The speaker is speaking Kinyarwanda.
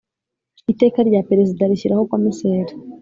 Iteka rya perezida rishyiraho komiseri